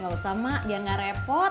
gausah mak biar ga repot